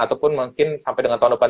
ataupun mungkin sampai dengan tahun depan